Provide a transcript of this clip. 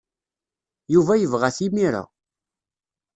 Yuba yebɣa-t imir-a.